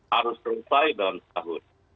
harus selesai dalam setahun